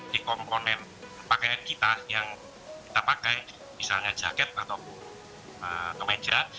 di komponen pakaian kita yang kita pakai misalnya jaket ataupun kemeja